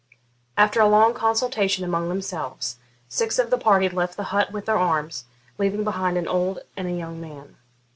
After a long consultation among themselves, six of the party left the hut with their arms, leaving behind an old and a young man.